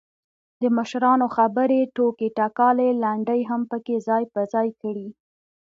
دمشرانو خبرې، ټوکې ټکالې، لنډۍ هم پکې ځاى په ځاى کړي.